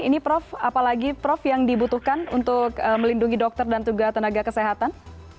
ini prof apalagi prof yang dibutuhkan untuk melindungi dokter dan juga tenaga kesehatan